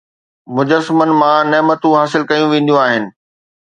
مجسمن مان نعمتون حاصل ڪيون وينديون آهن